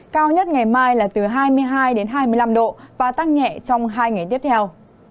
cao nhất ngày mai là từ hai mươi hai đến hai mươi năm độ và tăng nhẹ trong hai ngày tiếp theo